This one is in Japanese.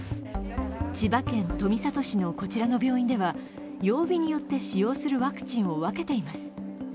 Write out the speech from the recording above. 千葉県富里市のこちらの病院には曜日によって使用するワクチンを分けています。